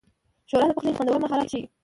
ښوروا د پخلي خوندور مهارت ښيي.